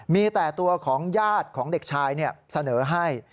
มีแต่ตัวของญาติของเด็กชายเสนอให้